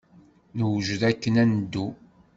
Newjed akken ad neddu.